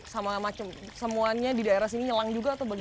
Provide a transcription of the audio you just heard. sama macam semuanya di daerah sini hilang juga atau bagaimana